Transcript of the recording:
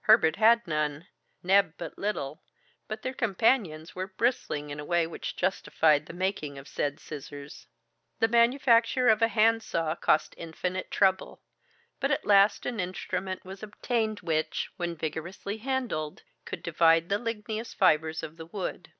Herbert had none, Neb but little, but their companions were bristling in a way which justified the making of the said scissors. The manufacture of a hand saw cost infinite trouble, but at last an instrument was obtained which, when vigorously handled, could divide the ligneous fibers of the wood.